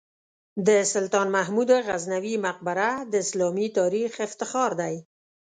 د سلطان محمود غزنوي مقبره د اسلامي تاریخ افتخار دی.